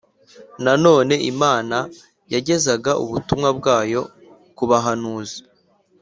Nanone Imana yagezaga ubutumwa bwayo ku bahanuzi